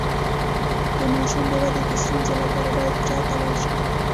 د ماشوم د ودې د ستونزې لپاره باید چا ته لاړ شم؟